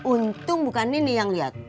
untung bukan nini yang liat